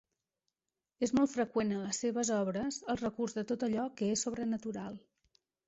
És molt freqüent en les seves obres el recurs de tot allò que és sobrenatural.